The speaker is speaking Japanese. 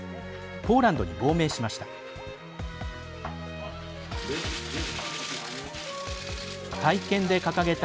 ポーランドに亡命しました。